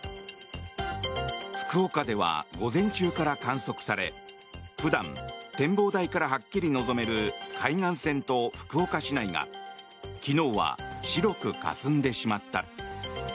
福岡では午前中から観測され普段、展望台からはっきり望める海岸線と福岡市内が昨日は白くかすんでしまった。